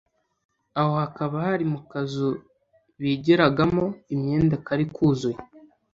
aho hakaba hari mu kazu bigeragamo imyenda kari kuzuye